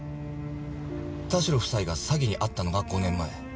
田代夫妻が詐欺に遭ったのが５年前。